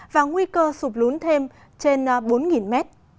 và nguy cơ sụp lún thêm trên bốn m